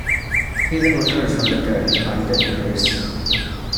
He then returns from the dead to hunt their killers.